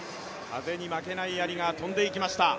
風に負けないやりが飛んできました。